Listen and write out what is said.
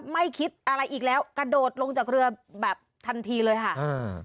ไม่คิดอะไรอีกแล้วกระโดดลงจากเรือแบบทันทีเลยค่ะอ่า